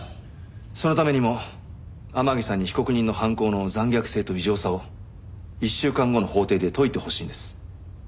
そのためにも天樹さんに被告人の犯行の残虐性と異常さを１週間後の法廷で説いてほしいんです。